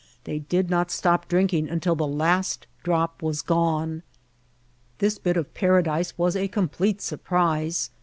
They did not stop drink ing until the last drop was gone. This bit of Paradise was a complete surprise.